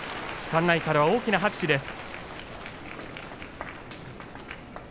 館内から大きな拍手です。